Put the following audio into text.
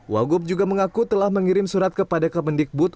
wagub juga mengaku telah mengirim surat kepada kemendikbud